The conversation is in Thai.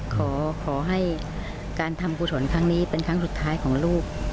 ขอให้การทำกุศลครั้งนี้เป็นครั้งสุดท้ายของลูก